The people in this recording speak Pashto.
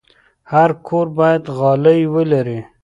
هر کور باید غالۍ ولري.